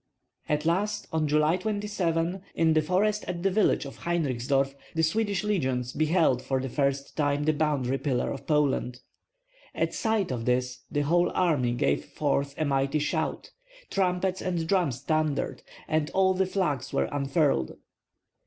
At last on July 27, in the forest at the village of Heinrichsdorf, the Swedish legions beheld for the first time the boundary pillar of Poland. At sight of this the whole army gave forth a mighty shout; trumpets and drums thundered, and all the flags were unfurled.